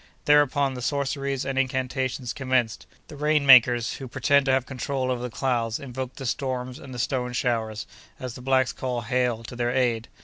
Thereupon the sorceries and incantations commenced; the "rain makers," who pretend to have control over the clouds, invoked the storms and the "stone showers," as the blacks call hail, to their aid.